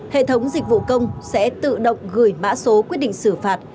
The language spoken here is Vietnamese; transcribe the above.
hệ thống dịch vụ công sẽ tự động gửi mã số quyết định xử phạt